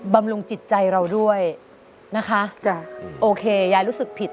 บำรุงจิตใจเราด้วยนะคะจ้ะโอเคยายรู้สึกผิด